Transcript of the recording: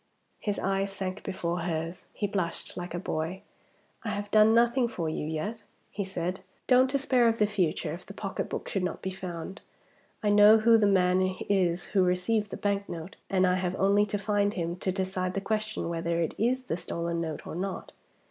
His eyes sank before hers; he blushed like a boy. "I have done nothing for you yet," he said. "Don't despair of the future, if the pocketbook should not be found. I know who the man is who received the bank note; and I have only to find him to decide the question whether it is the stolen note or not."